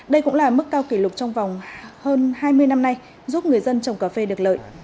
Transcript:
đây cũng là mức cao kỷ lục trong vòng hơn hai mươi năm nay giúp người dân trồng cà phê được lợi